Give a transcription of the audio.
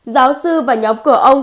giáo sư và nhóm của ông